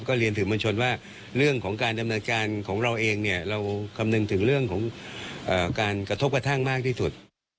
เรียนสื่อมวลชนว่าเรื่องของการดำเนินการของเราเองเนี่ยเราคำนึงถึงเรื่องของการกระทบกระทั่งมากที่สุด